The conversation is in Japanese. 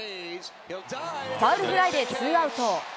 ファウルフライでツーアウト。